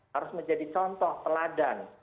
harus menjadi contoh peladan